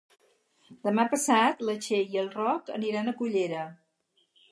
Demà passat na Txell i en Roc aniran a Cullera.